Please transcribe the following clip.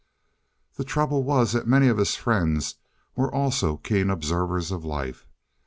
The trouble was that many of his friends were also keen observers of life.